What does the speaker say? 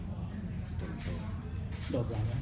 โดดอะไรละ